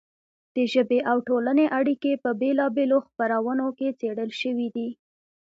د ژبې او ټولنې اړیکې په بېلا بېلو خپرونو کې څېړل شوې دي.